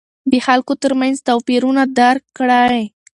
د خلکو ترمنځ توپیرونه درک کړئ.